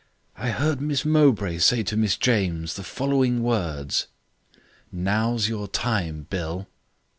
"I heard Miss Mowbray say to Miss James, the following words: 'Now's your time, Bill.'"